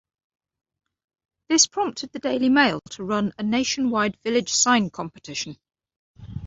This prompted the Daily Mail to run a nationwide village sign competition.